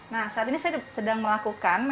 nah saat ini saya sedang melakukan